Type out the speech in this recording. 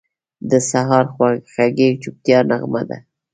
سهار د خوږې چوپتیا نغمه ده.